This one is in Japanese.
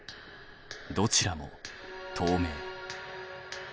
どちらも透明。